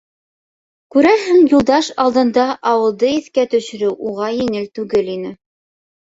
Күрәһең, Юлдаш алдында ауылды иҫкә төшөрөү уға еңел түгел ине.